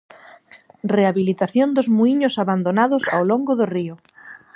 Rehabilitación dos muíños abandonados ao longo do río.